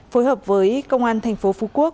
phối hợp với công an thành phố phú quốc